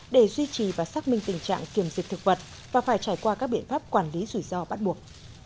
để duy trì và xác minh tình trạng kiểm dịch thực vật và phải trải qua các biện pháp quản lý rủi ro bắt buộc